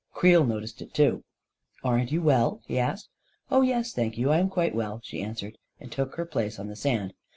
Creel noticed it too. " Aren't you well ?" he asked. u Oh, yes, thank you, I am quite well," she an swered, and took her place on the sand.